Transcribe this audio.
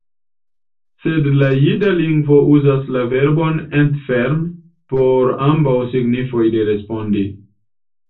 Sed la jida lingvo uzas la verbon entfern por ambaŭ signifoj de respondi.